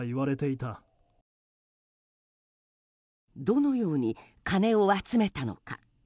どのように金を集めたのか。